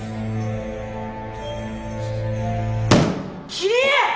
桐江！